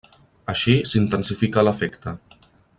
Així s'intensifica l'efecte.